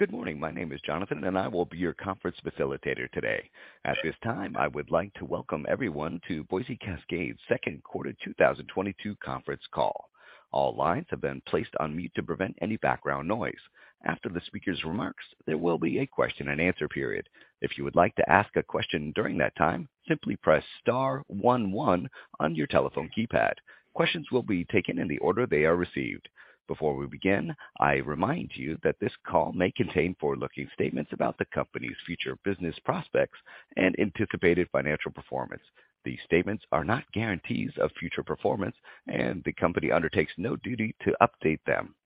Good morning. My name is Jonathan, and I will be your conference facilitator today. At this time, I would like to welcome everyone to Boise Cascade second quarter 2022 conference call. All lines have been placed on mute to prevent any background noise. After the speaker's remarks, there will be a question-and-answer period. If you would like to ask a question during that time, simply press star one one on your telephone keypad. Questions will be taken in the order they are received. Before we begin, I remind you that this call may contain forward-looking statements about the company's future business prospects and anticipated financial performance. These statements are not guarantees of future performance, and the company undertakes no duty to update them.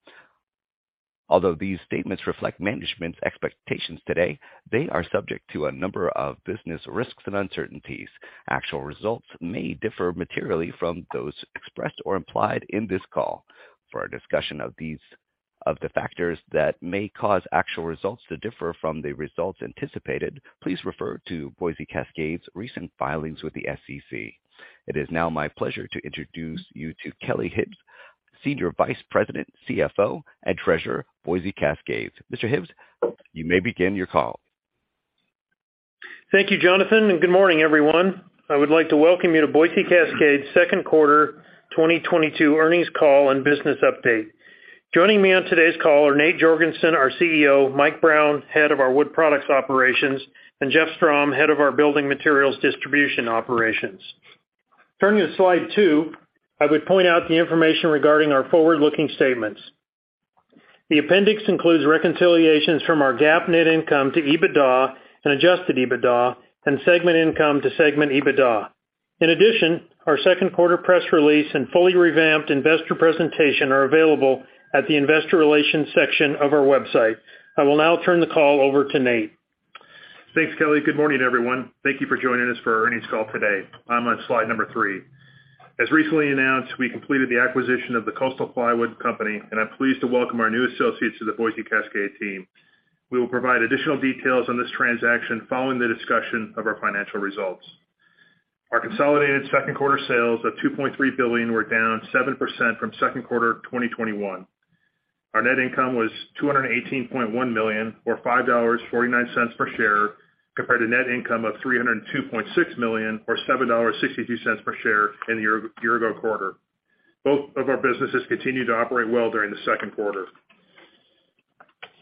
Although these statements reflect management's expectations today, they are subject to a number of business risks and uncertainties. Actual results may differ materially from those expressed or implied in this call. For a discussion of these factors that may cause actual results to differ from the results anticipated, please refer to Boise Cascade's recent filings with the SEC. It is now my pleasure to introduce you to Kelly Hibbs, Senior Vice President, CFO and Treasurer, Boise Cascade. Mr. Hibbs, you may begin your call. Thank you, Jonathan, and good morning, everyone. I would like to welcome you to Boise Cascade second quarter 2022 earnings call and business update. Joining me on today's call are Nate Jorgensen, our CEO, Mike Brown, head of our Wood Products operations, and Jeff Strom, head of our Building Materials Distribution operations. Turning to slide 2, I would point out the information regarding our forward-looking statements. The appendix includes reconciliations from our GAAP net income to EBITDA and adjusted EBITDA and segment income to segment EBITDA. In addition, our second quarter press release and fully revamped investor presentation are available at the investor relations section of our website. I will now turn the call over to Nate. Thanks, Kelly. Good morning, everyone. Thank you for joining us for our earnings call today. I'm on slide number 3. As recently announced, we completed the acquisition of the Coastal Plywood Company, and I'm pleased to welcome our new associates to the Boise Cascade team. We will provide additional details on this transaction following the discussion of our financial results. Our consolidated second quarter sales of $2.3 billion were down 7% from second quarter 2021. Our net income was $218.1 million or $5.49 per share, compared to net income of $302.6 million or $7.62 per share in the year-ago quarter. Both of our businesses continued to operate well during the second quarter.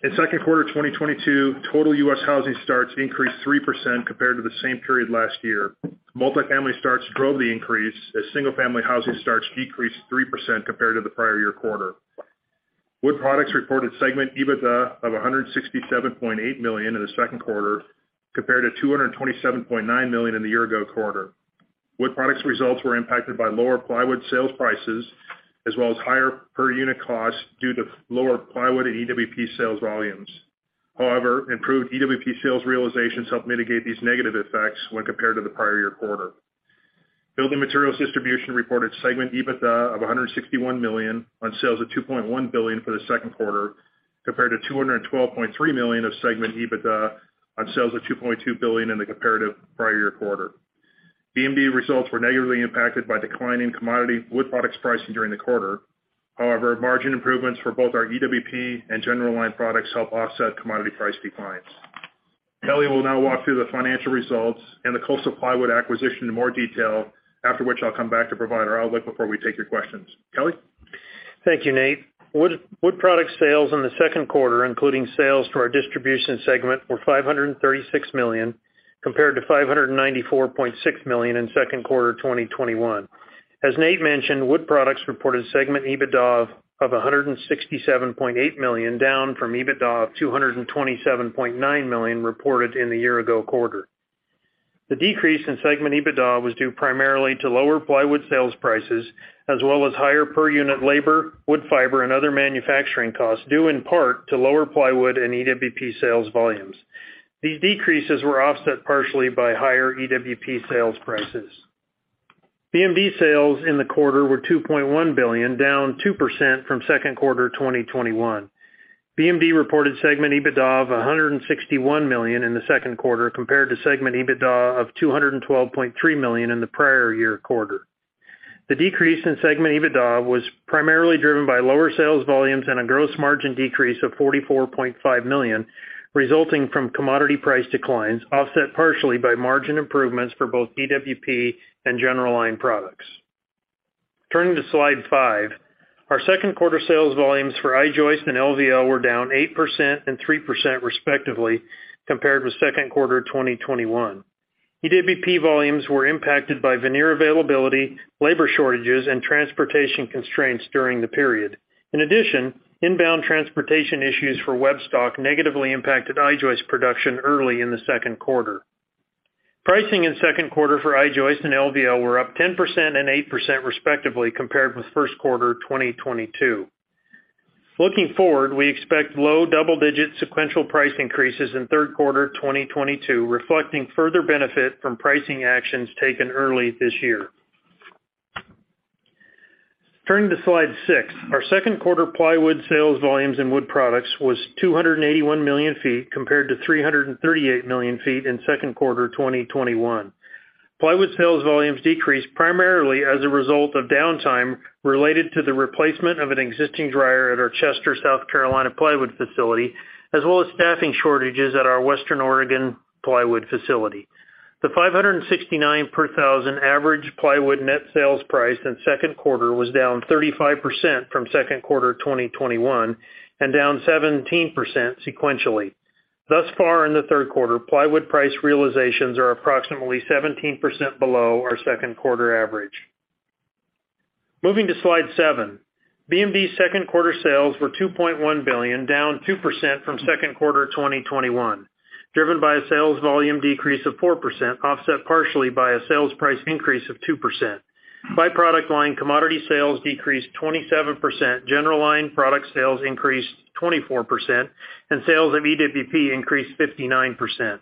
In second quarter 2022, total US housing starts increased 3% compared to the same period last year. Multifamily starts drove the increase as single-family housing starts decreased 3% compared to the prior-year quarter. Wood Products reported segment EBITDA of $167.8 million in the second quarter compared to $227.9 million in the year-ago quarter. Wood Products results were impacted by lower plywood sales prices as well as higher per unit costs due to lower plywood and EWP sales volumes. However, improved EWP sales realization helped mitigate these negative effects when compared to the prior-year quarter. Building Materials Distribution reported segment EBITDA of $161 million on sales of $2.1 billion for the second quarter, compared to $212.3 million of segment EBITDA on sales of $2.2 billion in the comparative prior year quarter. BMD results were negatively impacted by declining commodity Wood Products pricing during the quarter. However, margin improvements for both our EWP and general line products helped offset commodity price declines. Kelly will now walk through the financial results and the Coastal Plywood acquisition in more detail, after which I'll come back to provide our outlook before we take your questions. Kelly? Thank you, Nate. Wood Products sales in the second quarter, including sales for our distribution segment, were $536 million, compared to $594.6 million in second quarter 2021. As Nate mentioned, Wood Products reported segment EBITDA of $167.8 million, down from EBITDA of $227.9 million reported in the year ago quarter. The decrease in segment EBITDA was due primarily to lower plywood sales prices as well as higher per unit labor, wood fiber, and other manufacturing costs, due in part to lower plywood and EWP sales volumes. These decreases were offset partially by higher EWP sales prices. BMD sales in the quarter were $2.1 billion, down 2% from second quarter 2021. BMD reported segment EBITDA of $161 million in the second quarter compared to segment EBITDA of $212.3 million in the prior year quarter. The decrease in segment EBITDA was primarily driven by lower sales volumes and a gross margin decrease of $44.5 million, resulting from commodity price declines, offset partially by margin improvements for both EWP and general line products. Turning to slide 5. Our second quarter sales volumes for I-Joist and LVL were down 8% and 3% respectively compared with second quarter 2021. EWP volumes were impacted by veneer availability, labor shortages, and transportation constraints during the period. In addition, inbound transportation issues for web stock negatively impacted I-Joist production early in the second quarter. Pricing in second quarter for I-Joist and LVL were up 10% and 8% respectively compared with first quarter 2022. Looking forward, we expect low double-digit sequential price increases in third quarter 2022, reflecting further benefit from pricing actions taken early this year. Turning to slide 6. Our second quarter plywood sales volumes in Wood Products was 281 million feet, compared to 338 million feet in second quarter 2021. Plywood sales volumes decreased primarily as a result of downtime related to the replacement of an existing dryer at our Chester, South Carolina plywood facility, as well as staffing shortages at our Western Oregon plywood facility. The $569 per thousand average plywood net sales price in second quarter was down 35% from second quarter 2021 and down 17% sequentially. Thus far in the third quarter, plywood price realizations are approximately 17% below our second quarter average. Moving to slide seven. BMD's second quarter sales were $2.1 billion, down 2% from second quarter 2021, driven by a sales volume decrease of 4%, offset partially by a sales price increase of 2%. By product line, commodity sales decreased 27%, general line product sales increased 24%, and sales of EWP increased 59%.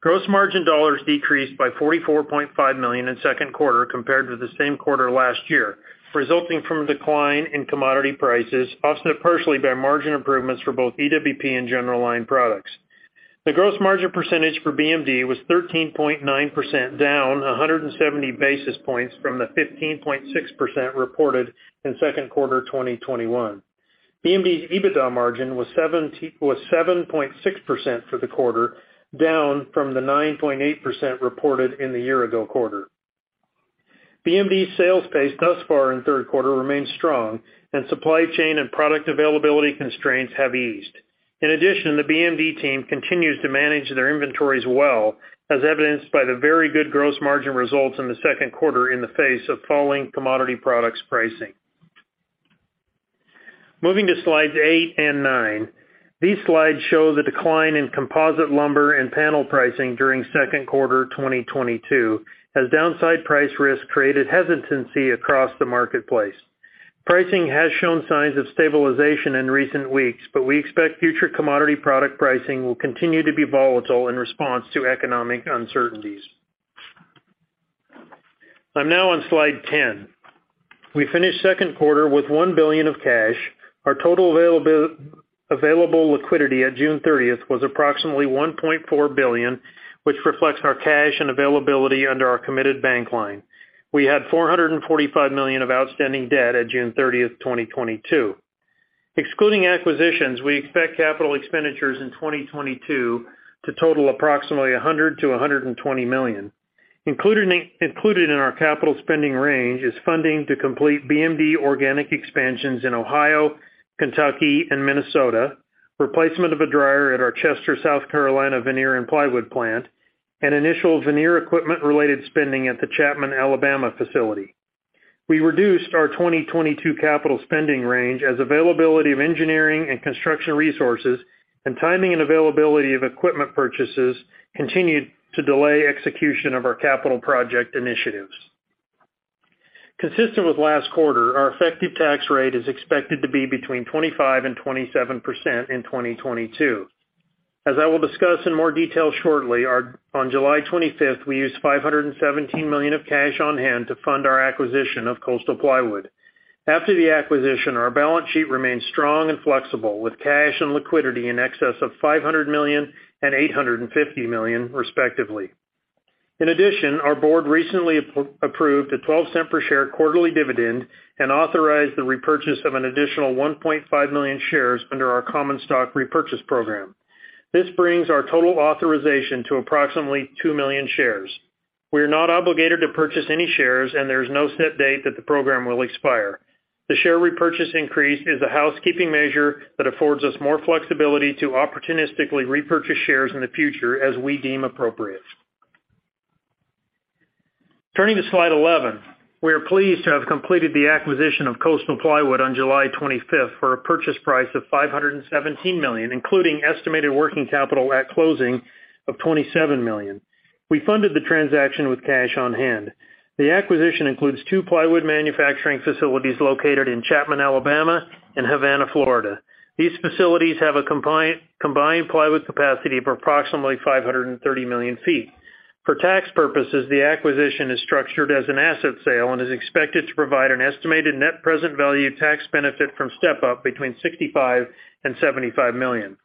Gross margin dollars decreased by $44.5 million in the second quarter compared to the same quarter last year, resulting from a decline in commodity prices, offset partially by margin improvements for both EWP and general line products. The gross margin percentage for BMD was 13.9%, down 170 basis points from the 15.6% reported in second quarter 2021. BMD's EBITDA margin was 7.6% for the quarter, down from the 9.8% reported in the year-ago quarter. BMD's sales pace thus far in the third quarter remains strong, and supply chain and product availability constraints have eased. In addition, the BMD team continues to manage their inventories well, as evidenced by the very good gross margin results in the second quarter in the face of falling commodity products pricing. Moving to slides 8 and 9. These slides show the decline in composite lumber and panel pricing during second quarter 2022, as downside price risk created hesitancy across the marketplace. Pricing has shown signs of stabilization in recent weeks, but we expect future commodity product pricing will continue to be volatile in response to economic uncertainties. I'm now on slide 10. We finished the second quarter with $1 billion in cash. Our total available liquidity on June 30th was approximately $1.4 billion, which reflects our cash and availability under our committed bank line. We had $445 million of outstanding debt at June 30th, 2022. Excluding acquisitions, we expect capital expenditures in 2022 to total approximately $100 million-$120 million. Included in our capital spending range is funding to complete BMD organic expansions in Ohio, Kentucky, and Minnesota, replacement of a dryer at our Chester, South Carolina veneer and plywood plant, and initial veneer equipment-related spending at the Chapman, Alabama facility. We reduced our 2022 capital spending range as availability of engineering and construction resources and timing and availability of equipment purchases continued to delay execution of our capital project initiatives. Consistent with last quarter, our effective tax rate is expected to be between 25%-27% in 2022. As I will discuss in more detail shortly, on July 25, we used $517 million of cash on hand to fund our acquisition of Coastal Plywood. After the acquisition, our balance sheet remains strong and flexible, with cash and liquidity in excess of $500 million and $850 million, respectively. In addition, our board recently approved a $0.12 per share quarterly dividend and authorized the repurchase of an additional 1.5 million shares under our common stock repurchase program. This brings our total authorization to approximately 2 million shares. We are not obligated to purchase any shares, and there is no set date that the program will expire. The share repurchase increase is a housekeeping measure that affords us more flexibility to opportunistically repurchase shares in the future as we deem appropriate. Turning to slide 11. We are pleased to have completed the acquisition of Coastal Plywood on July 25 for a purchase price of $517 million, including estimated working capital at closing of $27 million. We funded the transaction with cash on hand. The acquisition includes two plywood manufacturing facilities located in Chapman, Alabama, and Havana, Florida. These facilities have a combined plywood capacity of approximately 530 million feet. For tax purposes, the acquisition is structured as an asset sale and is expected to provide an estimated net present value tax benefit from step-up between $65 million-$75 million.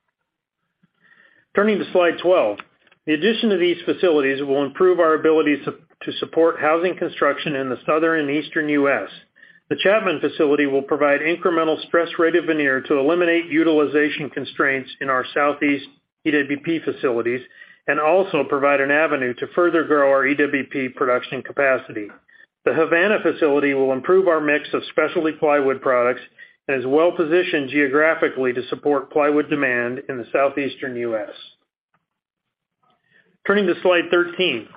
Turning to slide 12. The addition of these facilities will improve our ability to support housing construction in the Southern and Eastern U.S. The Chapman facility will provide incremental stress-rated veneer to eliminate utilization constraints in our Southeast EWP facilities and also provide an avenue to further grow our EWP production capacity. The Havana facility will improve our mix of specialty plywood products and is well-positioned geographically to support plywood demand in the Southeastern U.S. Turning to slide 13.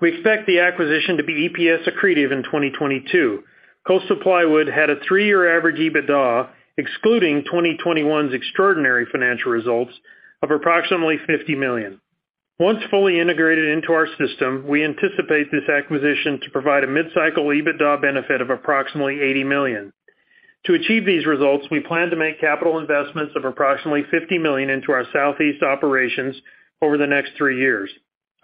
We expect the acquisition to be EPS accretive in 2022. Coastal Plywood had a 3-year average EBITDA, excluding 2021's extraordinary financial results, of approximately $50 million. Once fully integrated into our system, we anticipate this acquisition to provide a mid-cycle EBITDA benefit of approximately $80 million. To achieve these results, we plan to make capital investments of approximately $50 million into our Southeast operations over the next three years.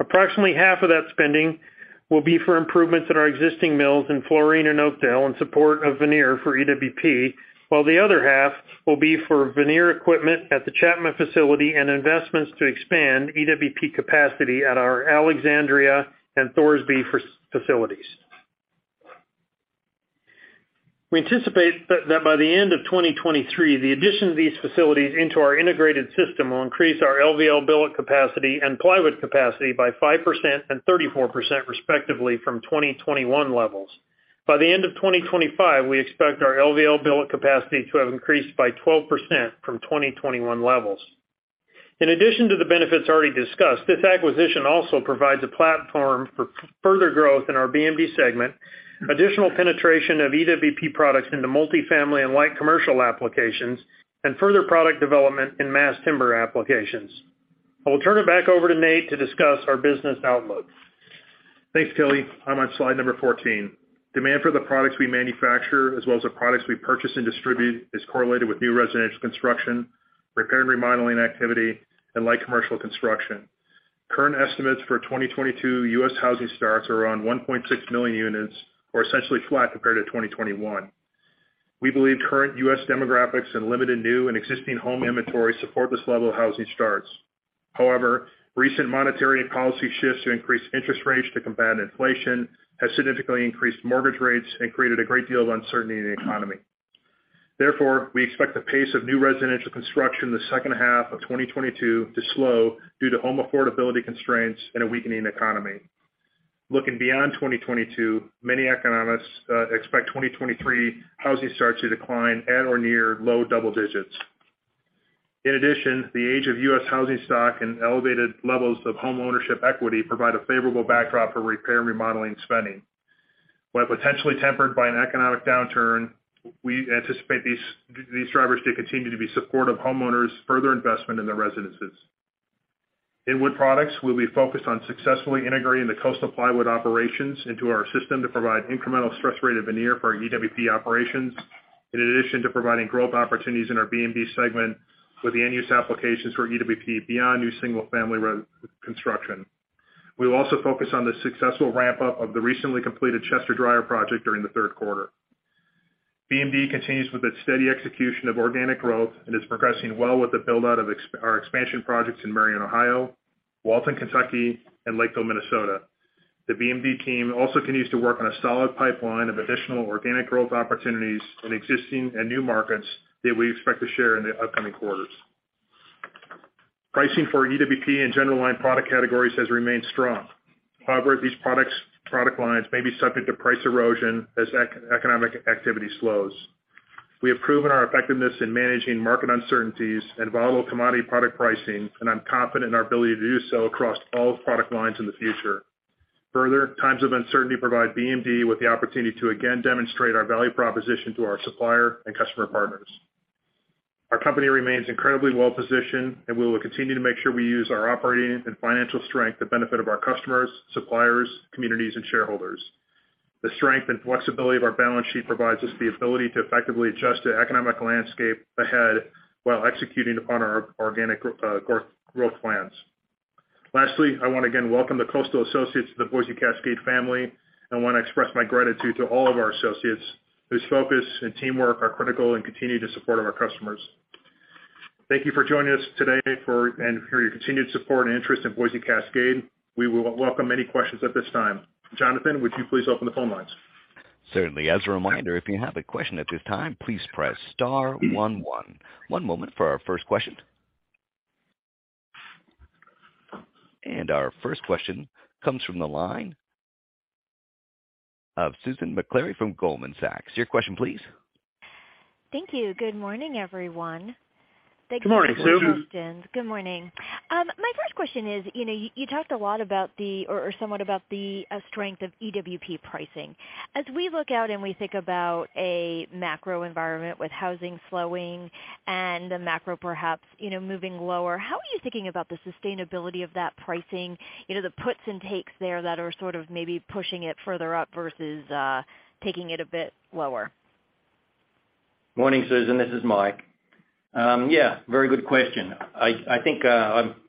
Approximately half of that spending will be for improvements at our existing mills in Florien and Oakdale in support of veneer for EWP, while the other half will be for veneer equipment at the Chapman facility and investments to expand EWP capacity at our Alexandria and Thorsby facilities. We anticipate that by the end of 2023, the addition of these facilities into our integrated system will increase our LVL billet capacity and plywood capacity by 5% and 34% respectively from 2021 levels. By the end of 2025, we expect our LVL billet capacity to have increased by 12% from 2021 levels. In addition to the benefits already discussed, this acquisition also provides a platform for further growth in our BMD segment, additional penetration of EWP products into multifamily and light commercial applications, and further product development in mass timber applications. I will turn it back over to Nate to discuss our business outlook. Thanks, Kelly. I'm on slide number 14. Demand for the products we manufacture, as well as the products we purchase and distribute, is correlated with new residential construction, repair and remodeling activity, and light commercial construction. Current estimates for 2022 U.S. housing starts are around 1.6 million units or essentially flat compared to 2021. We believe current U.S. demographics and limited new and existing home inventories support this level of housing starts. However, recent monetary and policy shifts to increase interest rates to combat inflation has significantly increased mortgage rates and created a great deal of uncertainty in the economy. Therefore, we expect the pace of new residential construction in the second half of 2022 to slow due to home affordability constraints and a weakening economy. Looking beyond 2022, many economists expect 2023 housing starts to decline at or near low double digits. In addition, the age of U.S. housing stock and elevated levels of homeownership equity provide a favorable backdrop for repair and remodeling spending. While potentially tempered by an economic downturn, we anticipate these drivers to continue to be supportive of homeowners' further investment in their residences. In Wood Products, we'll be focused on successfully integrating the Coastal Plywood operations into our system to provide incremental stress-rated veneer for our EWP operations, in addition to providing growth opportunities in our BMD segment with the end-use applications for EWP beyond new single-family construction. We will also focus on the successful ramp-up of the recently completed Chester Dryer project during the third quarter. BMD continues with its steady execution of organic growth and is progressing well with the build-out of our expansion projects in Marion, Ohio, Walton, Kentucky, and Lakeville, Minnesota. The BMD team also continues to work on a solid pipeline of additional organic growth opportunities in existing and new markets that we expect to share in the upcoming quarters. Pricing for EWP and general line product categories has remained strong. However, these products, product lines may be subject to price erosion as economic activity slows. We have proven our effectiveness in managing market uncertainties and volatile commodity product pricing, and I'm confident in our ability to do so across all product lines in the future. Further, times of uncertainty provide BMD with the opportunity to again demonstrate our value proposition to our supplier and customer partners. Our company remains incredibly well-positioned, and we will continue to make sure we use our operating and financial strength to the benefit of our customers, suppliers, communities, and shareholders. The strength and flexibility of our balance sheet provides us the ability to effectively adjust to the economic landscape ahead while executing upon our organic growth plans. Lastly, I wanna again welcome the Coastal associates to the Boise Cascade family and want to express my gratitude to all of our associates whose focus and teamwork are critical and continue to support our customers. Thank you for joining us today and for your continued support and interest in Boise Cascade. We will welcome any questions at this time. Jonathan, would you please open the phone lines? Certainly. As a reminder, if you have a question at this time, please press star one one. One moment for our first question. Our first question comes from the line of Susan Maklari from Goldman Sachs. Your question, please. Thank you. Good morning, everyone. Good morning, Susan. Thank you for the questions. Good morning. My first question is, you know, you talked a lot about the, or somewhat about the strength of EWP pricing. As we look out and we think about a macro environment with housing slowing and the macro perhaps, you know, moving lower, how are you thinking about the sustainability of that pricing? You know, the puts and takes there that are sort of maybe pushing it further up versus taking it a bit lower. Morning, Susan. This is Mike. Yeah, very good question. I think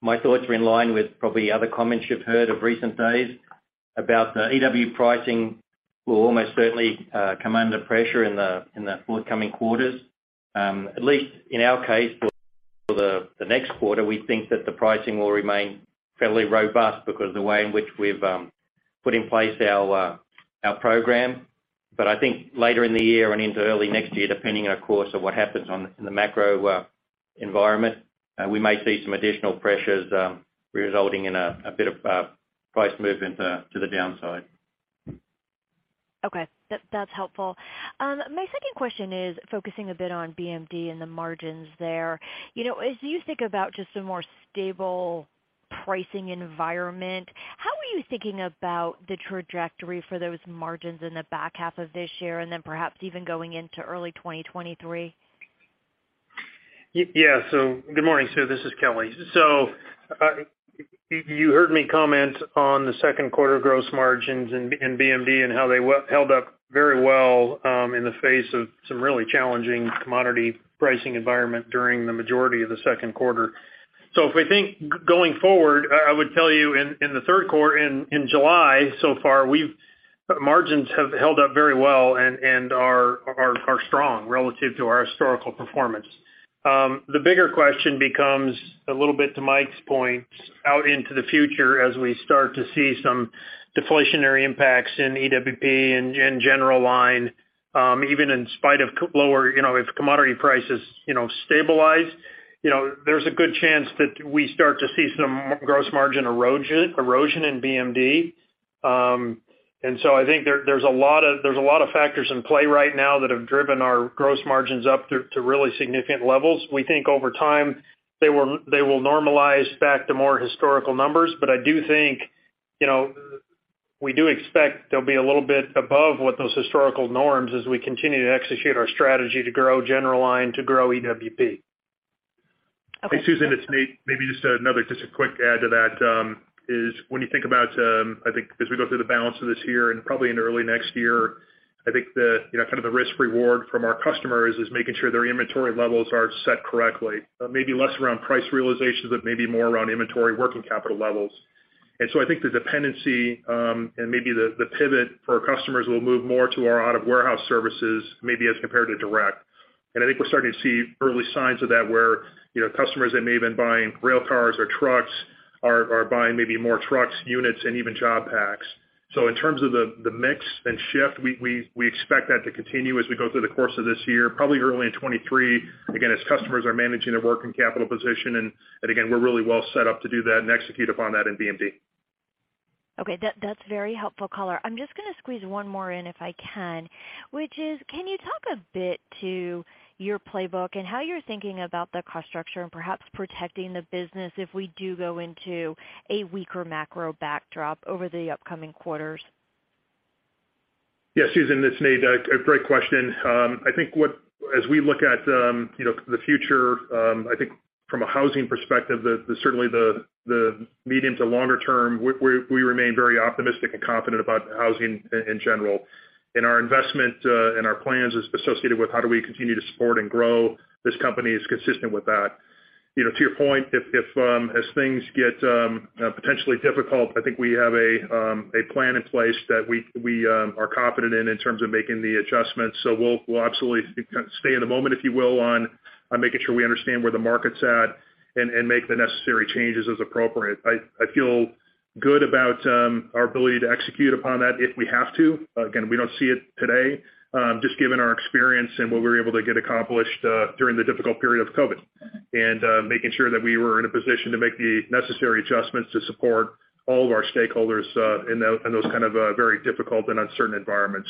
my thoughts are in line with probably other comments you've heard in recent days about the EWP pricing will almost certainly come under pressure in the forthcoming quarters. At least in our case, for the next quarter, we think that the pricing will remain fairly robust because of the way in which we've put in place our program. I think later in the year and into early next year, depending, of course, on what happens in the macro environment, we may see some additional pressures resulting in a bit of price movement to the downside. Okay. That's helpful. My second question is focusing a bit on BMD and the margins there. You know, as you think about just a more stable pricing environment, how are you thinking about the trajectory for those margins in the back half of this year and then perhaps even going into early 2023? Yeah. Good morning, Susan. This is Kelly. You heard me comment on the second quarter gross margins in BMD and how they held up very well in the face of some really challenging commodity pricing environment during the majority of the second quarter. If we think going forward, I would tell you in the third quarter, in July, so far, margins have held up very well and are strong relative to our historical performance. The bigger question becomes a little bit to Mike's point, out into the future as we start to see some deflationary impacts in EWP and general line, even in spite of lower, you know, if commodity prices, you know, stabilize, you know, there's a good chance that we start to see some gross margin erosion in BMD. I think there's a lot of factors in play right now that have driven our gross margins up to really significant levels. We think over time they will normalize back to more historical numbers. I do think, you know, we do expect they'll be a little bit above what those historical norms, as we continue to execute our strategy to grow general line, to grow EWP. Okay. Hey, Susan, it's Nate. Maybe just another quick add to that is when you think about, I think as we go through the balance of this year and probably in early next year, I think the, you know, kind of the risk reward from our customers is making sure their inventory levels are set correctly. Maybe less around price realizations, but maybe more around inventory working capital levels. I think the dependency, and maybe the pivot for our customers will move more to our out-of-warehouse services, maybe as compared to direct. I think we're starting to see early signs of that where, you know, customers that may have been buying rail cars or trucks are buying maybe more trucks, units, and even job packs. In terms of the mix and shift, we expect that to continue as we go through the course of this year, probably early in 2023, again, as customers are managing their working capital position. Again, we're really well set up to do that and execute upon that in BMD. Okay. That's very helpful color. I'm just gonna squeeze one more in, if I can, which is, can you talk a bit to your playbook and how you're thinking about the cost structure and perhaps protecting the business if we do go into a weaker macro backdrop over the upcoming quarters? Yeah, Susan, it's Nate. A great question. I think as we look at, you know, the future, I think from a housing perspective, certainly the medium to longer term, we remain very optimistic and confident about housing in general. Our investment and our plans associated with how do we continue to support and grow this company is consistent with that. You know, to your point, if as things get potentially difficult, I think we have a plan in place that we are confident in in terms of making the adjustments. We'll absolutely stay in the moment, if you will, on making sure we understand where the market's at and make the necessary changes as appropriate. I feel good about our ability to execute upon that if we have to. Again, we don't see it today, just given our experience and what we were able to get accomplished during the difficult period of COVID. Making sure that we were in a position to make the necessary adjustments to support all of our stakeholders in those kind of very difficult and uncertain environments.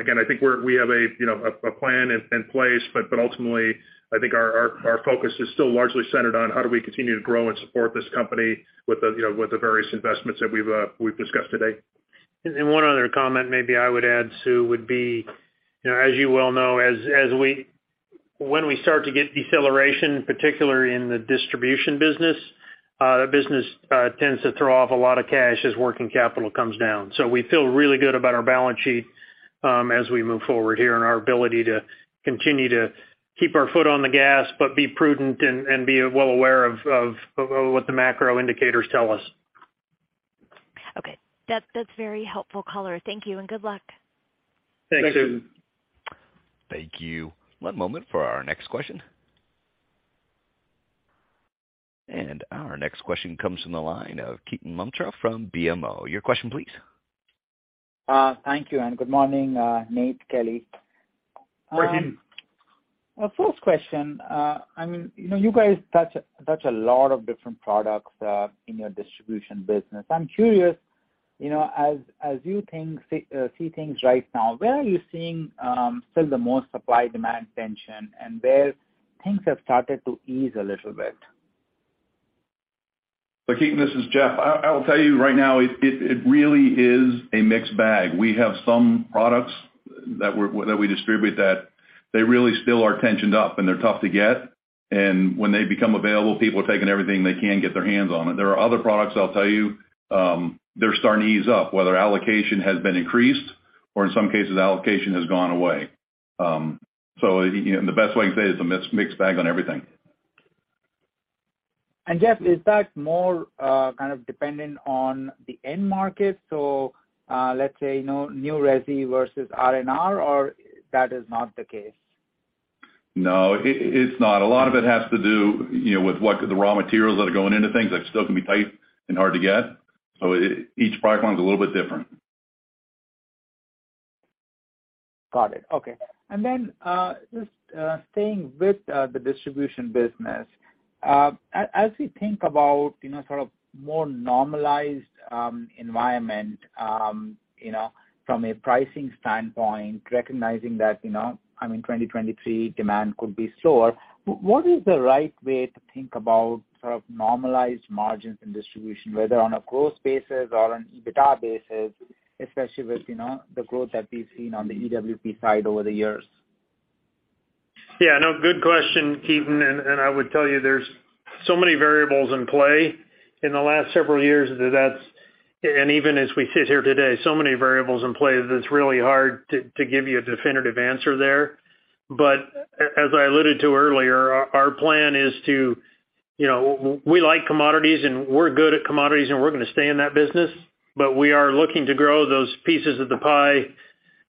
Again, I think we have a, you know, a plan in place, but ultimately, I think our focus is still largely centered on how do we continue to grow and support this company with the, you know, with the various investments that we've discussed today. One other comment maybe I would add, Susan, would be, you know, as you well know, when we start to get deceleration, particularly in the distribution business, that business tends to throw off a lot of cash as working capital comes down. We feel really good about our balance sheet, as we move forward here and our ability to continue to keep our foot on the gas, but be prudent and be well aware of what the macro indicators tell us. Okay. That's very helpful color. Thank you, and good luck. Thanks, Susan. Thanks. Thank you. One moment for our next question. Our next question comes from the line of Ketan Mamtora from BMO. Your question, please. Thank you, and good morning, Nate, Kelly. Morning, Ketan. First question. I mean, you know, you guys touch a lot of different products in your distribution business. I'm curious, you know, as you see things right now, where are you seeing still the most supply-demand tension and where things have started to ease a little bit? Ketan, this is Jeff. I will tell you right now, it really is a mixed bag. We have some products that we distribute that they really still are tightened up, and they're tough to get. When they become available, people are taking everything they can get their hands on. There are other products, I'll tell you, they're starting to ease up, whether allocation has been increased or in some cases allocation has gone away. You know, and the best way to say it is a mix, mixed bag on everything. Jeff, is that more, kind of dependent on the end market? Let's say, you know, new resi versus R&R, or that is not the case? No, it's not. A lot of it has to do, you know, with the raw materials that are going into things that still can be tight and hard to get. Each product line is a little bit different. Got it. Okay. Just staying with the distribution business. As we think about, you know, sort of more normalized environment, you know, from a pricing standpoint, recognizing that, you know, I mean, 2023 demand could be slower, what is the right way to think about sort of normalized margins in distribution, whether on a growth basis or an EBITDA basis, especially with, you know, the growth that we've seen on the EWP side over the years? Yeah, no, good question, Ketan. I would tell you, there are so many variables in play in the last several years that that's. Even as we sit here today, so many variables in play that it's really hard to give you a definitive answer there. But as I alluded to earlier, our plan is to, you know, we like commodities, and we're good at commodities, and we're gonna stay in that business, but we are looking to grow those pieces of the pie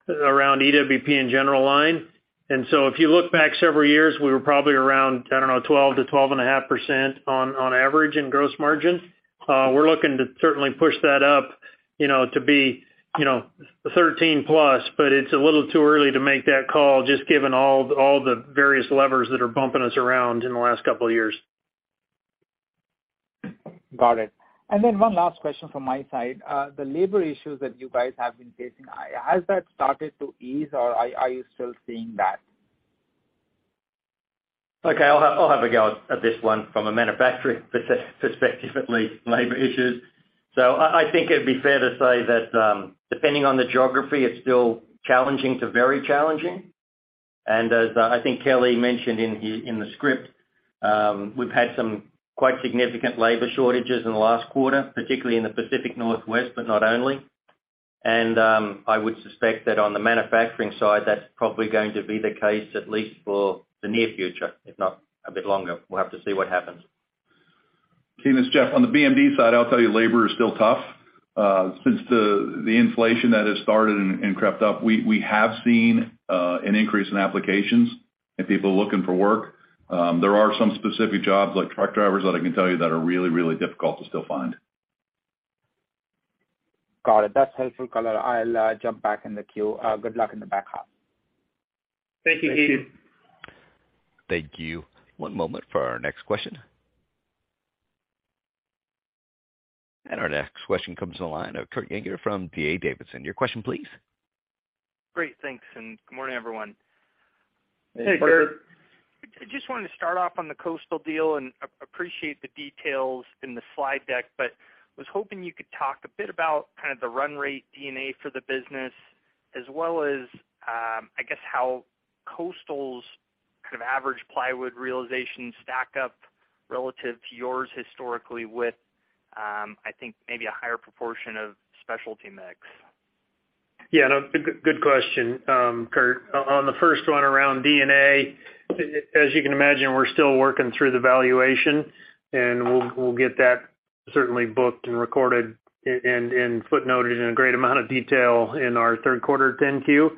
around EWP and general line. If you look back several years, we were probably around, I don't know, 12%-12.5% on average in gross margins. We're looking to certainly push that up, you know, to be, you know, 13+, but it's a little too early to make that call just given all the various levers that are bumping us around in the last couple of years. Got it. One last question from my side. The labor issues that you guys have been facing, has that started to ease, or are you still seeing that? Okay, I'll have a go at this one from a manufacturing perspective at least, labor issues. I think it'd be fair to say that, depending on the geography, it's still challenging to very challenging. As I think Kelly mentioned in the script, we've had some quite significant labor shortages in the last quarter, particularly in the Pacific Northwest, but not only. I would suspect that on the manufacturing side, that's probably going to be the case, at least for the near future, if not a bit longer. We'll have to see what happens. Ketan, it's Jeff. On the BMD side, I'll tell you, labor is still tough. Since the inflation that has started and crept up, we have seen an increase in applications and people looking for work. There are some specific jobs like truck drivers that I can tell you that are really difficult to still find. Got it. That's helpful color. I'll jump back in the queue. Good luck in the back half. Thank you, Ketan. Thank you. One moment for our next question. Our next question comes on the line of Kurt Yinger from D.A. Davidson. Your question, please. Great. Thanks, and good morning, everyone. Hey, Kurt. I just wanted to start off on the Coastal deal and appreciate the details in the slide deck, but was hoping you could talk a bit about kind of the run rate D&A for the business, as well as, I guess how Coastal's kind of average plywood realization stack up relative to yours historically with, I think maybe a higher proportion of specialty mix. Yeah, no, good question, Kurt. On the first one around D&A, as you can imagine, we're still working through the valuation, and we'll get that certainly booked and recorded and footnoted in a great amount of detail in our third quarter 10-Q.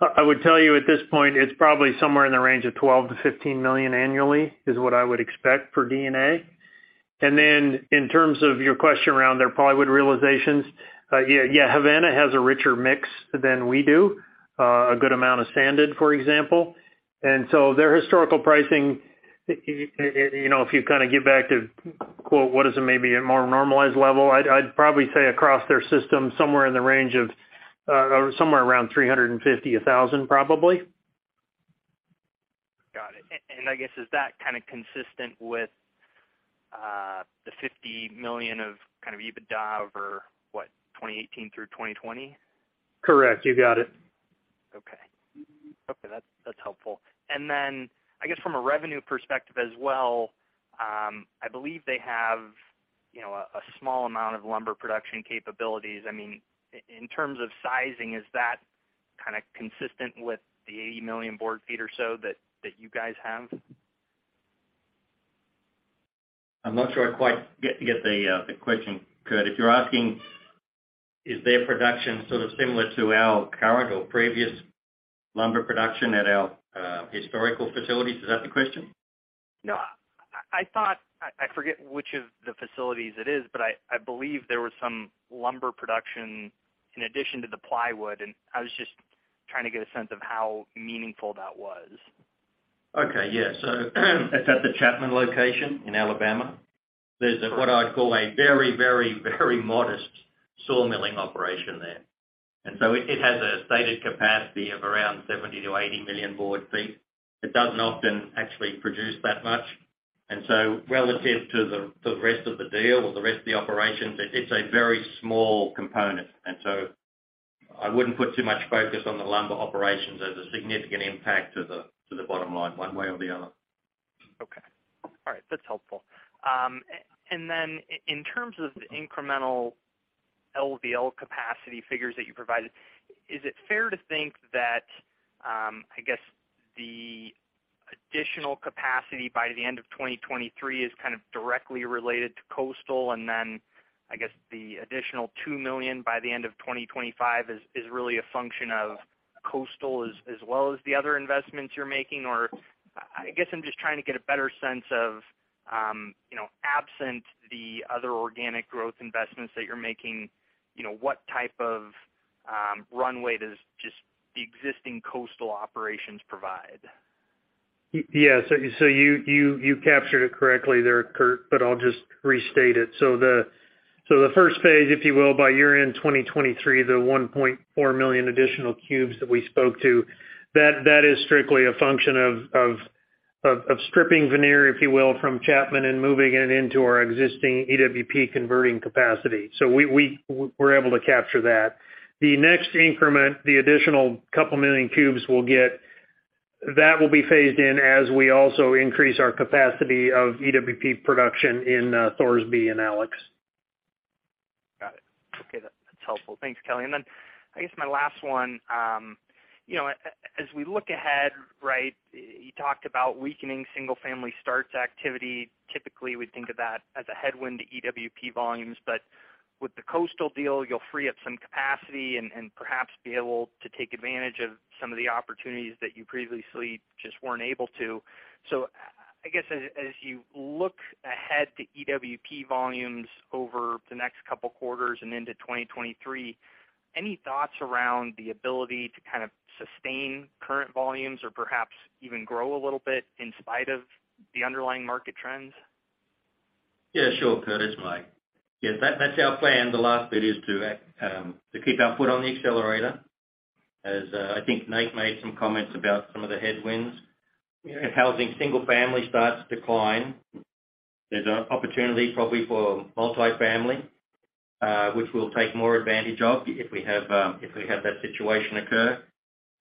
I would tell you at this point, it's probably somewhere in the range of $12 million-$15 million annually is what I would expect for D&A. In terms of your question around their plywood realizations, yeah, and have a richer mix than we do, a good amount of sanded, for example. And so their historical pricing, you know, if you kind of get back to a more normalized level, I'd probably say across their system, somewhere in the range of somewhere around $350-$1,000, probably. Got it. I guess, is that kind of consistent with the $50 million of kind of EBITDA over what, 2018 through 2020? Correct. You got it. Okay. That's helpful. I guess from a revenue perspective as well, I believe they have, you know, a small amount of lumber production capabilities. I mean, in terms of sizing, is that kind of consistent with the 80 million board feet or so that you guys have? I'm not sure I quite get the question, Kurt. If you're asking is their production sort of similar to our current or previous lumber production at our historical facilities, is that the question? No. I forget which of the facilities it is, but I believe there was some lumber production in addition to the plywood, and I was just trying to get a sense of how meaningful that was. Okay, yeah. It's at the Chapman location in Alabama. There's what I'd call a very modest sawmilling operation there. It has a stated capacity of around 70-80 million board feet. It doesn't often actually produce that much. Relative to the rest of the deal or the rest of the operations, it's a very small component. I wouldn't put too much focus on the lumber operations as a significant impact to the bottom line one way or the other. Okay. All right. That's helpful. And then in terms of the incremental LVL capacity figures that you provided, is it fair to think that, I guess the additional capacity by the end of 2023 is kind of directly related to Coastal, and then I guess the additional 2 million by the end of 2025 is really a function of Coastal as well as the other investments you're making? Or I guess I'm just trying to get a better sense of, you know, absent the other organic growth investments that you're making, you know, what type of runway does just the existing Coastal operations provide? Yes. You captured it correctly there, Kurt, but I'll just restate it. The first phase, if you will, by year-end 2023, the 1.4 million additional cubes that we spoke to, that is strictly a function of stripping veneer, if you will, from Chapman and moving it into our existing EWP converting capacity. We're able to capture that. The next increment, the additional couple million cubes we'll get, that will be phased in as we also increase our capacity of EWP production in Thorsby and Alexandria. Got it. Okay. That's helpful. Thanks, Kelly. I guess my last one. You know, as we look ahead, right, you talked about weakening single-family starts activity. Typically, we think of that as a headwind to EWP volumes. But with the Coastal deal, you'll free up some capacity and perhaps be able to take advantage of some of the opportunities that you previously just weren't able to. I guess as you look ahead to EWP volumes over the next couple quarters and into 2023, any thoughts around the ability to kind of sustain current volumes or perhaps even grow a little bit in spite of the underlying market trends? Yeah, sure, Kurt, it's Mike. Yeah, that's our plan. The last bit is to act to keep our foot on the accelerator. I think Nate made some comments about some of the headwinds. If housing single-family starts to decline, there's an opportunity probably for multi-family, which we'll take more advantage of if we have that situation occur.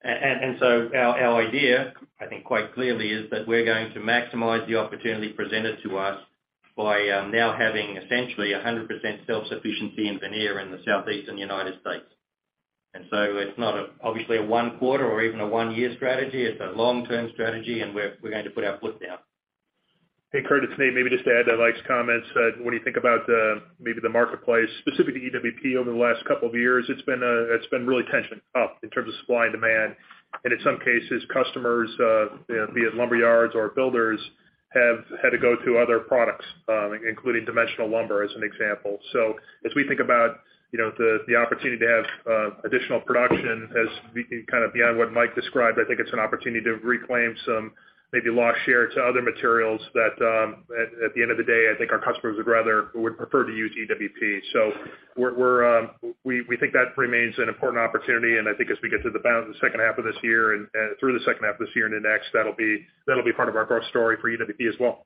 Our idea, I think quite clearly, is that we're going to maximize the opportunity presented to us by now having essentially 100% self-sufficiency in veneer in the southeastern United States. It's not, obviously a one quarter or even a one-year strategy, it's a long-term strategy, and we're going to put our foot down. Hey, Kurt, it's Nate. Maybe just to add to Mike's comments. When you think about maybe the marketplace, specifically EWP over the last couple of years, it's been really tensioned up in terms of supply and demand. In some cases, customers, be it lumber yards or builders, have had to go to other products, including dimensional lumber, as an example. As we think about you know, the opportunity to have additional production as we can kind of beyond what Mike described, I think it's an opportunity to reclaim some maybe lost share to other materials that, at the end of the day, I think our customers would rather or would prefer to use EWP. We think that remains an important opportunity. I think as we get to the bottom of the second half of this year and through the second half of this year and the next, that'll be part of our growth story for EWP as well.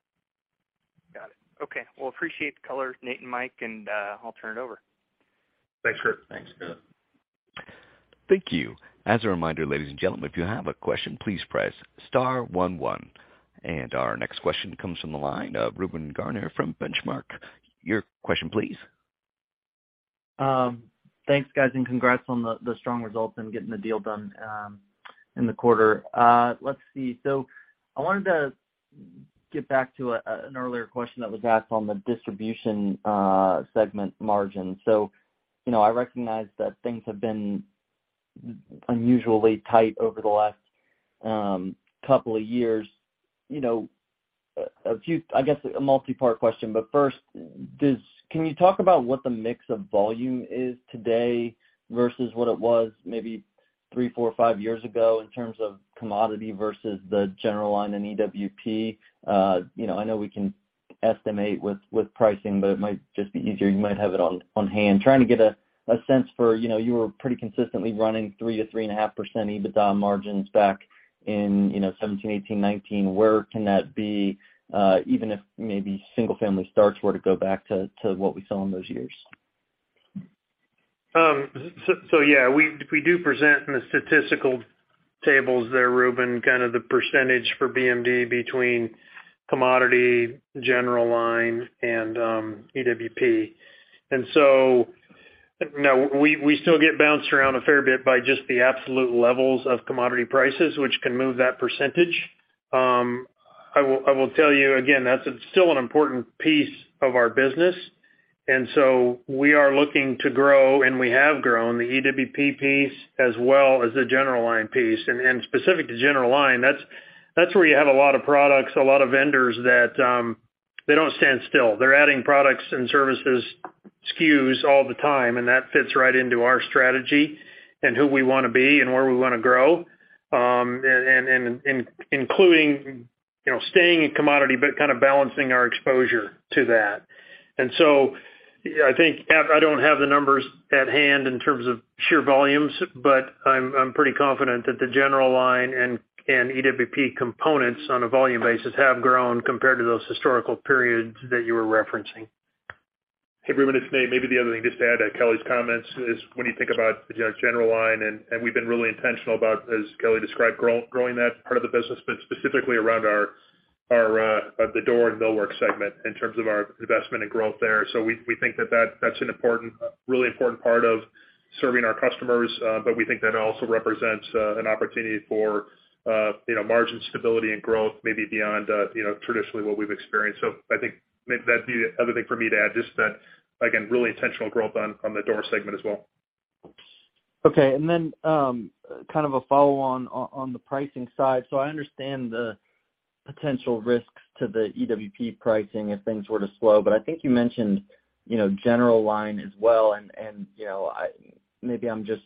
Got it. Okay. Well, appreciate the color, Nate and Mike, and I'll turn it over. Thanks, Kurt. Thanks, Kurt. Thank you. As a reminder, ladies and gentlemen, if you have a question, please press star one. Our next question comes from the line of Reuben Garner from Benchmark. Your question, please. Thanks, guys, and congrats on the strong results and getting the deal done in the quarter. Let's see. I wanted to get back to an earlier question that was asked on the distribution segment margin. You know, I recognize that things have been unusually tight over the last couple of years. You know, I guess a multi-part question, but first, can you talk about what the mix of volume is today versus what it was maybe three, four, five years ago in terms of commodity versus the general line in EWP? You know, I know we can estimate with pricing, but it might just be easier. You might have it on hand. Trying to get a sense for, you know, you were pretty consistently running 3-3.5% EBITDA margins back in, you know, 2017, 2018, 2019. Where can that be, even if maybe single family starts were to go back to what we saw in those years? Yeah, we do present in the statistical tables there, Reuben, kind of the percentage for BMD between commodity, general line and EWP. You know, we still get bounced around a fair bit by just the absolute levels of commodity prices, which can move that percentage. I will tell you again, that's still an important piece of our business. We are looking to grow, and we have grown the EWP piece as well as the general line piece. Specific to general line, that's where you have a lot of products, a lot of vendors that they don't stand still. They're adding products and services SKUs all the time, and that fits right into our strategy and who we wanna be and where we wanna grow. Including, you know, staying in commodity, but kind of balancing our exposure to that. I think I don't have the numbers at hand in terms of sheer volumes, but I'm pretty confident that the general line and EWP components on a volume basis have grown compared to those historical periods that you were referencing. Hey, Reuben, it's Nate. Maybe the other thing just to add to Kelly's comments is when you think about the general line, and we've been really intentional about, as Kelly described, growing that part of the business, but specifically around our the door and millwork segment in terms of our investment and growth there. We think that that's an important, a really important part of serving our customers, but we think that also represents an opportunity for you know, margin stability and growth maybe beyond you know, traditionally what we've experienced. I think maybe that'd be the other thing for me to add, just that, again, really intentional growth on the door segment as well. Okay. Kind of a follow-on on the pricing side. I understand the potential risks to the EWP pricing if things were to slow, but I think you mentioned, you know, general line as well, and you know, maybe I'm just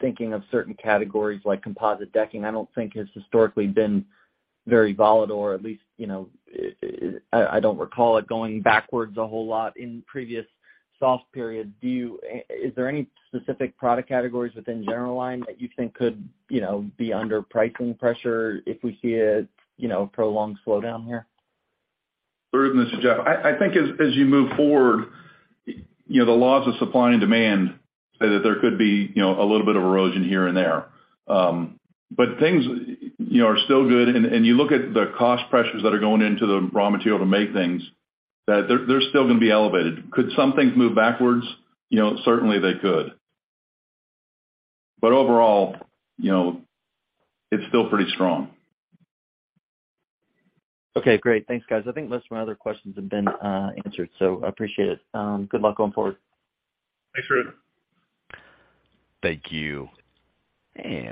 thinking of certain categories like composite decking. I don't think has historically been very volatile, or at least, you know, I don't recall it going backwards a whole lot in previous soft periods. Is there any specific product categories within general line that you think could, you know, be under pricing pressure if we see a, you know, prolonged slowdown here? Reuben, this is Jeff. I think as you move forward, you know, the laws of supply and demand say that there could be, you know, a little bit of erosion here and there. But things, you know, are still good. You look at the cost pressures that are going into the raw material to make things. That they're still gonna be elevated. Could some things move backwards? You know, certainly they could. Overall, you know, it's still pretty strong. Okay, great. Thanks, guys. I think most of my other questions have been answered, so I appreciate it. Good luck going forward. Thanks, Reuben. Thank you.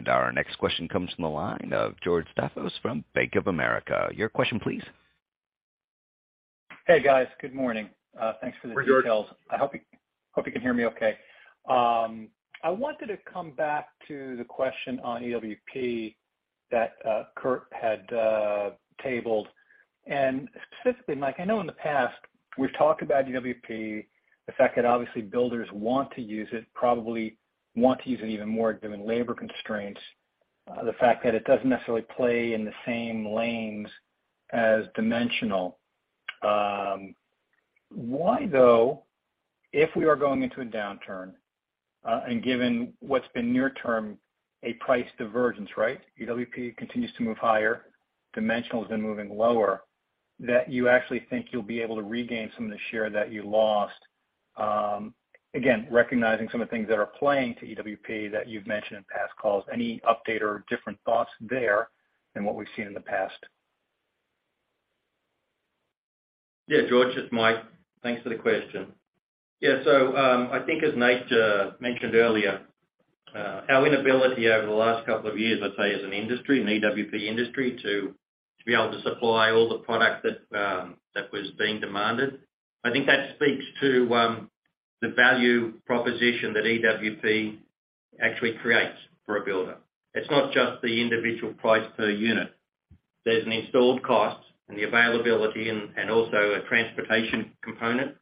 Our next question comes from the line of George Staphos from Bank of America. Your question please. Hey, guys. Good morning. Thanks for the details. Hey, George. I hope you can hear me okay. I wanted to come back to the question on EWP that Kurt had tabled. Specifically, Mike, I know in the past we've talked about EWP, the fact that obviously builders want to use it, probably want to use it even more given labor constraints, the fact that it doesn't necessarily play in the same lanes as dimensional. Why though, if we are going into a downturn, and given what's been near term, a price divergence, right? EWP continues to move higher, dimensional has been moving lower, that you actually think you'll be able to regain some of the share that you lost? Again, recognizing some of the things that are playing to EWP that you've mentioned in past calls. Any update or different thoughts there than what we've seen in the past? Yeah, George, it's Mike. Thanks for the question. Yeah. So, I think as Nate mentioned earlier, our inability over the last couple of years, I'd say as an industry, an EWP industry, to be able to supply all the product that that was being demanded, I think that speaks to the value proposition that EWP actually creates for a builder. It's not just the individual price per unit. There's an installed cost and the availability and also a transportation component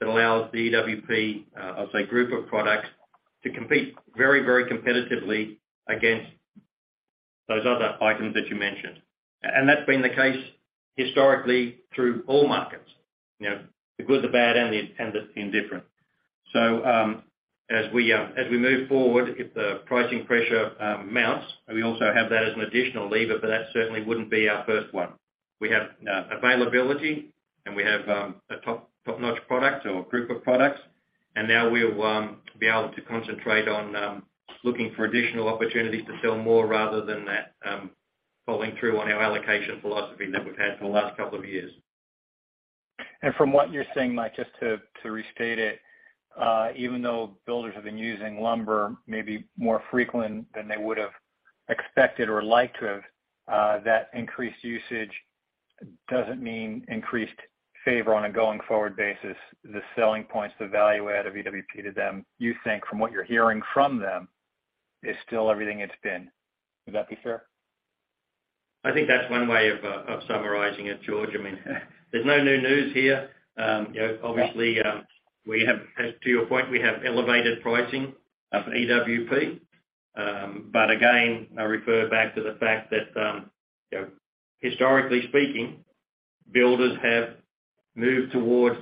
that allows the EWP, I'll say group of products to compete very, very competitively against those other items that you mentioned. That's been the case historically through all markets. You know, the good, the bad, and the indifferent. As we move forward, if the pricing pressure mounts, we also have that as an additional lever, but that certainly wouldn't be our first one. We have availability, and we have a top-notch product or group of products. Now we'll be able to concentrate on looking for additional opportunities to sell more rather than that following through on our allocation philosophy that we've had for the last couple of years. From what you're saying, Mike, just to restate it, even though builders have been using lumber maybe more frequent than they would've expected or liked to have, that increased usage doesn't mean increased favor on a going forward basis. The selling points, the value add of EWP to them, you think from what you're hearing from them is still everything it's been. Would that be fair? I think that's one way of summarizing it, George. I mean, there's no new news here. You know, obviously, as to your point, we have elevated pricing of EWP. But again, I refer back to the fact that, you know, historically speaking, builders have moved towards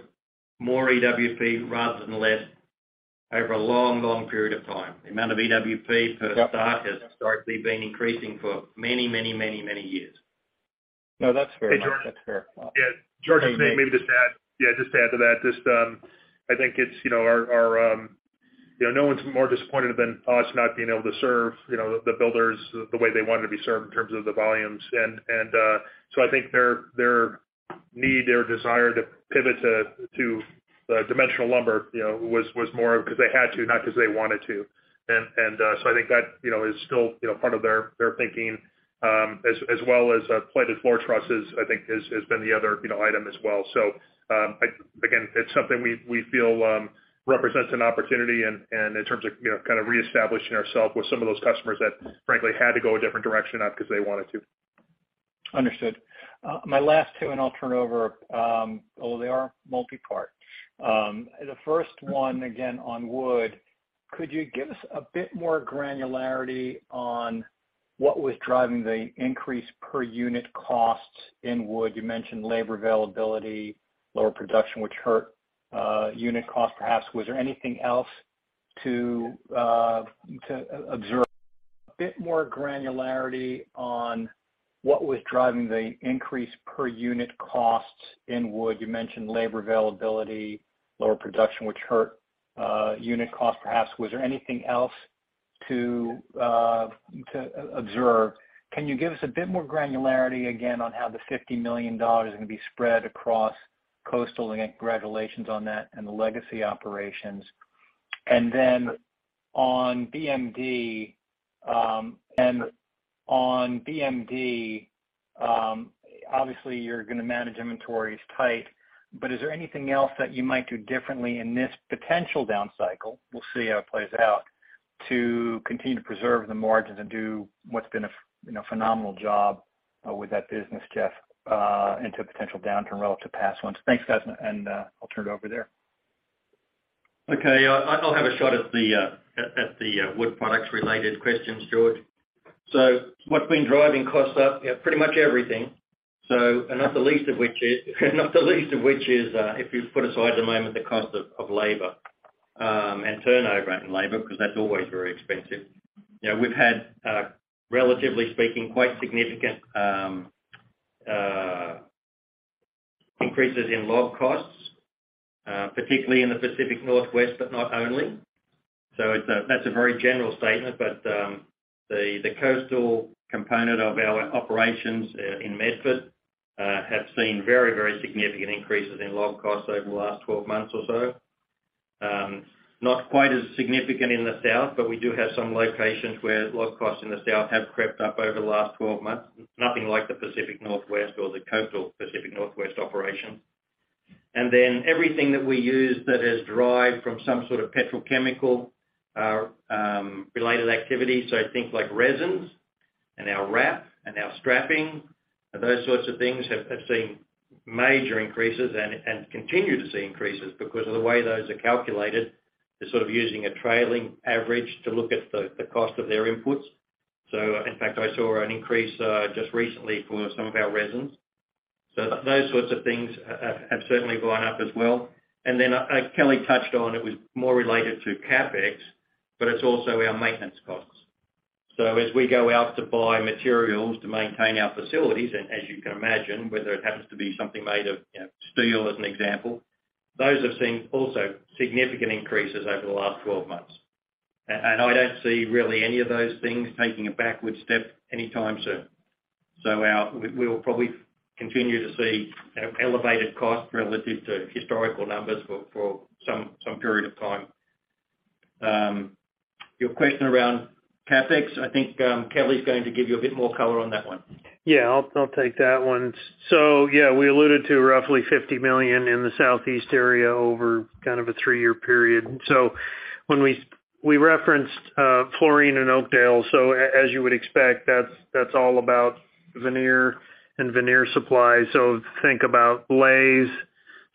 more EWP rather than less over a long, long period of time. The amount of EWP per start has historically been increasing for many, many, many, many years. No, that's very much. That's fair. Hey, George. Yeah. George, this is Nate. Maybe just to add to that, I think it's, you know, our, you know, no one's more disappointed than us not being able to serve, you know, the builders the way they wanted to be served in terms of the volumes. I think their need, their desire to pivot to dimensional lumber, you know, was more 'cause they had to, not 'cause they wanted to. I think that, you know, is still, you know, part of their thinking as well as plated floor trusses, I think has been the other, you know, item as well. Again, it's something we feel represents an opportunity and in terms of, you know, kind of reestablishing ourselves with some of those customers that frankly had to go a different direction, not 'cause they wanted to. Understood. My last two, and I'll turn over, although they are multi-part. The first one again on wood, could you give us a bit more granularity on what was driving the increase per unit cost in wood? You mentioned labor availability, lower production, which hurt unit cost perhaps. Was there anything else to observe? Can you give us a bit more granularity again on how the $50 million is gonna be spread across Coastal. Congratulations on that and the legacy operations? On BMD, obviously you're gonna manage inventories tight, but is there anything else that you might do differently in this potential down cycle, we'll see how it plays out, to continue to preserve the margins and do what's been a, you know, phenomenal job with that business, Jeff, into potential downturn relative to past ones? Thanks, guys. I'll turn it over there. Okay. I'll have a shot at the wood products related questions, George. What's been driving costs up? Yeah, pretty much everything. Not the least of which is, if you put aside, for the moment, the cost of labor and turnover in labor, because that's always very expensive. You know, we've had relatively speaking, quite significant increases in log costs, particularly in the Pacific Northwest, but not only. That's a very general statement, but the coastal component of our operations in Medford have seen very significant increases in log costs over the last 12 months or so. Not quite as significant in the south, but we do have some locations where log costs in the south have crept up over the last 12 months. Nothing like the Pacific Northwest or the coastal Pacific Northwest operations. Then everything that we use that is derived from some sort of petrochemical related activity. Things like resins and our wrap and our strapping and those sorts of things have seen major increases and continue to see increases because of the way those are calculated. They're sort of using a trailing average to look at the cost of their inputs. In fact, I saw an increase just recently for some of our resins. Those sorts of things have certainly gone up as well. As Kelly touched on, it was more related to CapEx, but it's also our maintenance costs. As we go out to buy materials to maintain our facilities, and as you can imagine, whether it happens to be something made of, you know, steel as an example, those have seen also significant increases over the last 12 months. I don't see really any of those things taking a backward step anytime soon. We will probably continue to see kind of elevated costs relative to historical numbers for some period of time. Your question around CapEx, I think, Kelly is going to give you a bit more color on that one. Yeah, I'll take that one. Yeah, we alluded to roughly $50 million in the southeast area over kind of a three-year period. When we referenced Florien and Oakdale. As you would expect, that's all about veneer and veneer supply. Think about layers,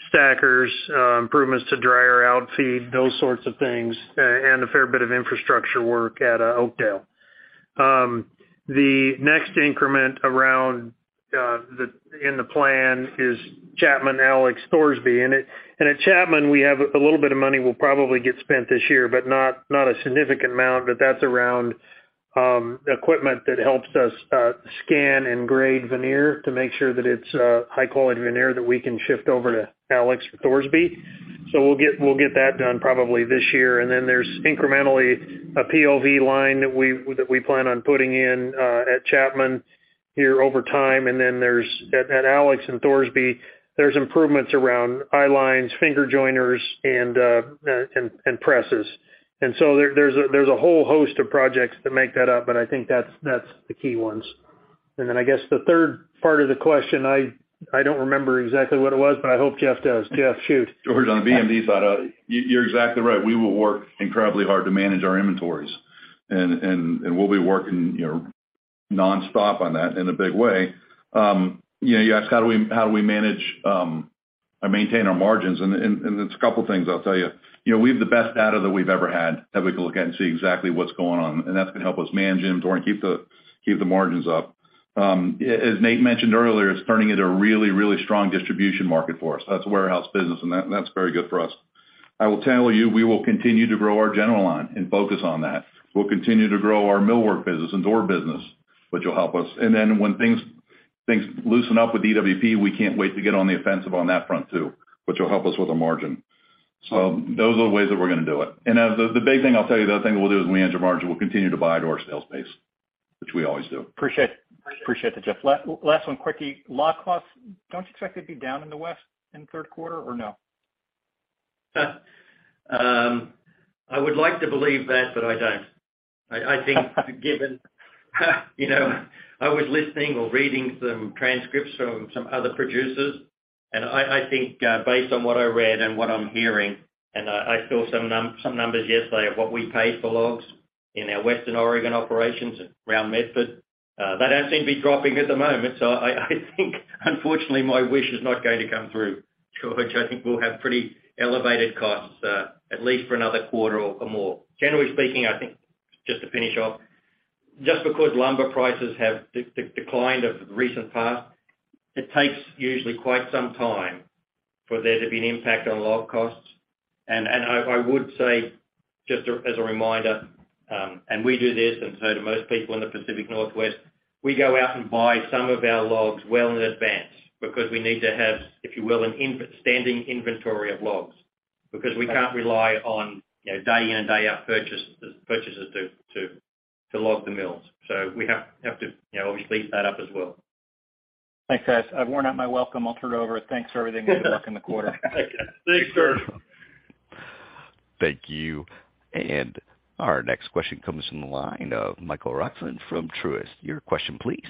stackers, improvements to dryer outfeed, those sorts of things, and a fair bit of infrastructure work at Oakdale. The next increment around in the plan is Chapman, Alexandria, Thorsby. At Chapman, we have a little bit of money will probably get spent this year, but not a significant amount. That's around equipment that helps us scan and grade veneer to make sure that it's high-quality veneer that we can shift over to Alexandria Thorsby. We'll get that done probably this year. There's incrementally a PLV line that we plan on putting in at Chapman here over time. There's improvements at Alexandria and Thorsby around highlines, finger joiners and presses. There's a whole host of projects that make that up, but I think that's the key ones. I guess the third part of the question, I don't remember exactly what it was, but I hope Jeff does. Jeff, shoot. George, on the BMD side, you're exactly right. We will work incredibly hard to manage our inventories and we'll be working, you know, nonstop on that in a big way. You know, you asked how do we manage or maintain our margins? It's a couple things I'll tell you. You know, we have the best data that we've ever had, that we can look at and see exactly what's going on, and that's gonna help us manage inventory and keep the margins up. As Nate mentioned earlier, it's turning into a really strong distribution market for us. That's a warehouse business, and that's very good for us. I will tell you, we will continue to grow our general line and focus on that. We'll continue to grow our millwork business and door business, which will help us. Then when things loosen up with EWP, we can't wait to get on the offensive on that front too, which will help us with the margin. Those are the ways that we're gonna do it. As the big thing I'll tell you, the other thing we'll do as we manage our margin, we'll continue to buy door sales space, which we always do. Appreciate that, Jeff. Last one, quickly. Log costs, don't you expect it to be down in the west in third quarter or no? I would like to believe that, but I don't. I think given, you know, I was listening or reading some transcripts from some other producers, and I think, based on what I read and what I'm hearing, and I saw some numbers yesterday of what we paid for logs in our Western Oregon operations around Medford, they don't seem to be dropping at the moment. I think unfortunately my wish is not going to come through, George. I think we'll have pretty elevated costs, at least for another quarter or more. Generally speaking, I think just to finish off, just because lumber prices have declined over the recent past, it takes usually quite some time for there to be an impact on log costs. I would say, just as a reminder, and we do this and so do most people in the Pacific Northwest, we go out and buy some of our logs well in advance because we need to have, if you will, a standing inventory of logs. Because we can't rely on, you know, day in and day out purchasers to log the mills. We have to, you know, obviously set up as well. Thanks, guys. I've worn out my welcome. I'll turn it over. Thanks for everything. Good luck in the quarter. Thanks, sir. Thank you. Our next question comes from the line of Michael Roxland from Truist. Your question, please.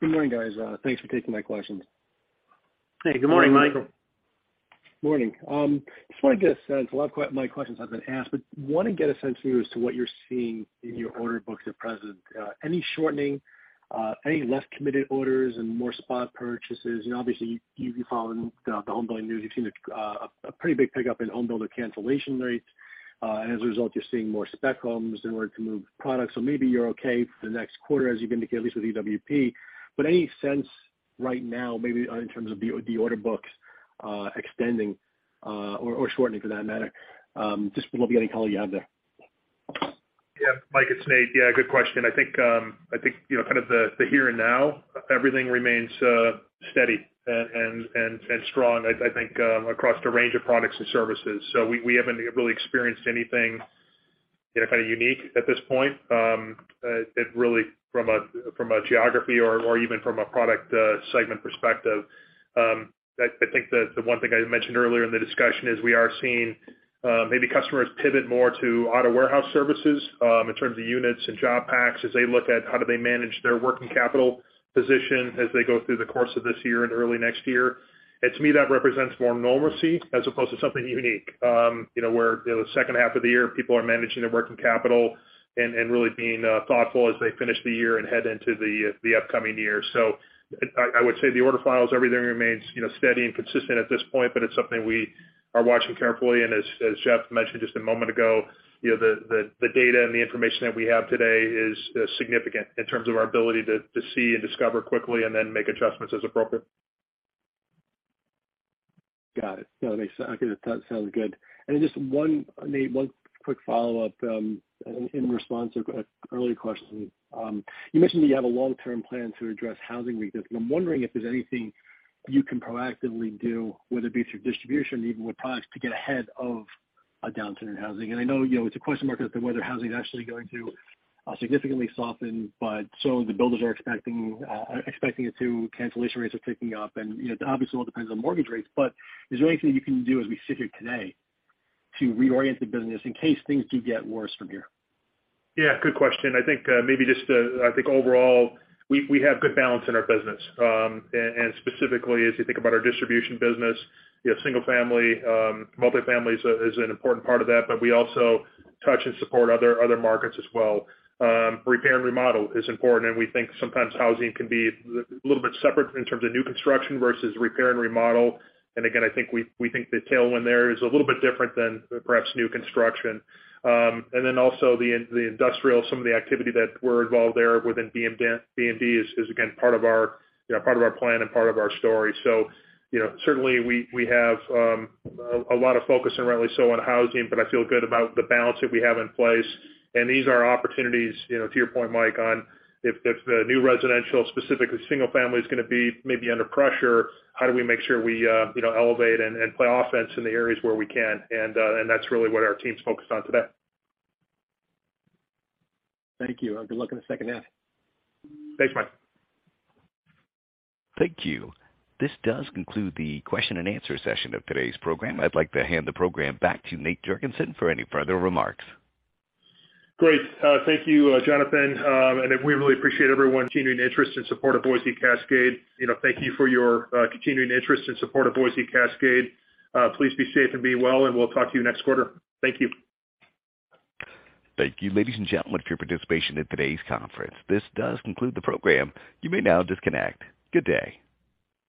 Good morning, guys. Thanks for taking my questions. Hey, good morning, Michael. Morning. Just want to get a sense, a lot of my questions have been asked, but wanna get a sense from you as to what you're seeing in your order books at present. Any shortening, any less committed orders and more spot purchases? You know, obviously you've been following the homebuilding news. You've seen a pretty big pickup in home builder cancellation rates. As a result, you're seeing more spec homes in order to move products. Maybe you're okay for the next quarter, as you've indicated, at least with EWP. Any sense right now, maybe in terms of the order books, extending, or shortening for that matter? Just would love to get any color you have there. Yeah, Mike, it's Nate. Yeah, good question. I think you know, kind of the here and now, everything remains steady and strong. I think across the range of products and services. So we haven't really experienced anything you know, kind of unique at this point, really from a geography or even from a product segment perspective. I think the one thing I mentioned earlier in the discussion is we are seeing maybe customers pivot more to auto warehouse services in terms of units and job packs as they look at how do they manage their working capital position as they go through the course of this year and early next year. To me, that represents more normalcy as opposed to something unique. You know, where you know, the second half of the year, people are managing their working capital and really being thoughtful as they finish the year and head into the upcoming year. I would say the order files, everything remains you know, steady and consistent at this point, but it's something we are watching carefully. As Jeff mentioned just a moment ago, you know, the data and the information that we have today is significant in terms of our ability to see and discover quickly and then make adjustments as appropriate. Got it. No. Okay. That sounds good. Just one, Nate, one quick follow-up in response to an earlier question. You mentioned that you have a long-term plan to address housing weakness, and I'm wondering if there's anything you can proactively do, whether it be through distribution, even with products, to get ahead of a downturn in housing. I know, you know, it's a question mark as to whether housing is actually going to significantly soften, but so the builders are expecting it to, cancellation rates are ticking up. You know, obviously it all depends on mortgage rates, but is there anything you can do as we sit here today to reorient the business in case things do get worse from here? Yeah, good question. I think, maybe just, I think overall, we have good balance in our business. Specifically as you think about our distribution business, you have single-family, multi-family is an important part of that, but we also touch and support other markets as well. Repair and remodel is important, and we think sometimes housing can be a little bit separate in terms of new construction versus repair and remodel. Again, I think we think the tailwind there is a little bit different than perhaps new construction. Then also the industrial, some of the activity that we're involved there within BMD is again part of our, you know, part of our plan and part of our story. You know, certainly we have a lot of focus and rightly so on housing, but I feel good about the balance that we have in place. These are opportunities, you know, to your point, Mike, on if the new residential, specifically single family is gonna be maybe under pressure, how do we make sure we, you know, elevate and play offense in the areas where we can? That's really what our team's focused on today. Thank you. Good luck in the second half. Thanks, Mike. Thank you. This does conclude the question and answer session of today's program. I'd like to hand the program back to Nate Jorgensen for any further remarks. Thank you, Jonathan. We really appreciate everyone's continuing interest and support of Boise Cascade. Thank you for your continuing interest and support of Boise Cascade. Please be safe and be well, and we'll talk to you next quarter. Thank you. Thank you. Ladies and gentlemen, for your participation in today's conference. This does conclude the program. You may now disconnect. Good day.